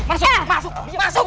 masuk masuk masuk